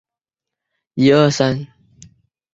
疏齿巴豆为大戟科巴豆属下的一个种。